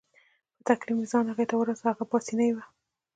په تکلیف مې ځان هغه ته ورساوه، هغه پاسیني وو.